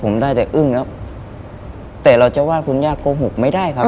ผมได้แต่อึ้งครับแต่เราจะว่าคุณย่าโกหกไม่ได้ครับ